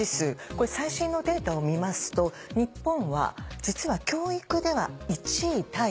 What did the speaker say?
これ最新のデータを見ますと日本は実は教育では１位タイ。